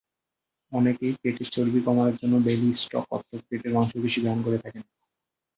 অনেকেই পেটের চর্বি কমানোর জন্য বেলি স্ট্রোক অর্থাৎ পেটের মাংসপেশির ব্যায়াম করে থাকেন।